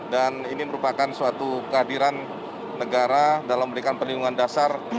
dan ini merupakan suatu kehadiran negara dalam berikan perlindungan dasar